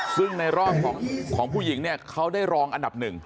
ซึ่งในรอบของผู้หญิงเนี่ยเขาได้รองอันดับหนึ่ง